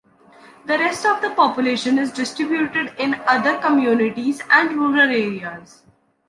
The rest of the population is distributed in other communities and rural areas.